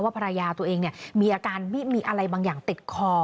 ภรรยาตัวเองมีอาการมีอะไรบางอย่างติดคอ